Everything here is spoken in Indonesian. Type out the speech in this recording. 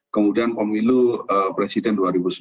kemudian pemilu presiden dua ribu sembilan belas